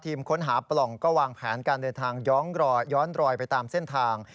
ค้นหาปล่องก็วางแผนการเดินทางย้อนรอยไปตามเส้นทาง